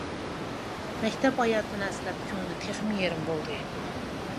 مەكتەپ ھاياتىنى ئەسلەپ، كۆڭلى تېخىمۇ يېرىم بولدى.